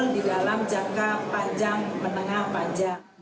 di dalam jangka panjang menengah panjang